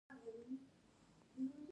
د کورنیو جګړو په نتیجه کې ړنګ شو.